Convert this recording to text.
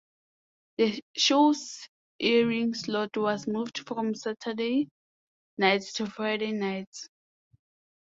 The show's airing slot was moved from Saturday nights to Friday nights.